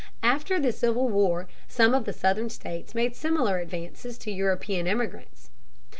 After the Civil War some of the southern states made similar advances to European immigrants.